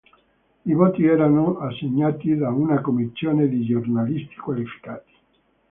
I voti erano assegnati da una commissione di giornalisti qualificati.